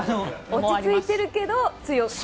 落ち着いているけど力強く。